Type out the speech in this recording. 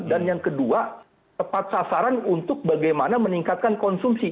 dan yang kedua tepat sasaran untuk bagaimana meningkatkan konsumsi